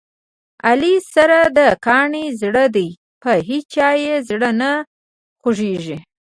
علي سره د کاڼي زړه دی، په هیچا یې زړه نه خوګېږي.